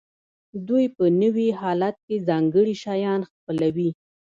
دوی په نوي حالت کې ځانګړي شیان خپلوي.